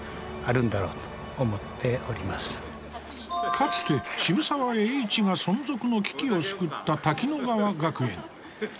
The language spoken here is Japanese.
かつて渋沢栄一が存続の危機を救った返して。